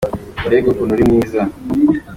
Mbega ukuntu uri mwiza!